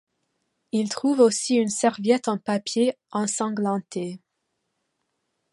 Ils trouvent aussi une serviette en papier ensanglantée.